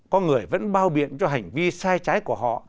có người vẫn bao biện cho hành vi sai trái của họ